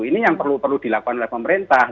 ini yang perlu dilakukan oleh pemerintah